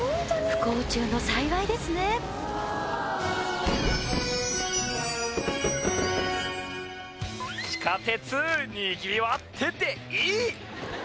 不幸中の幸いですね地下鉄にぎわってていい！